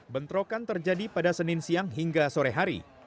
bentrokan terjadi pada senin siang hingga sore hari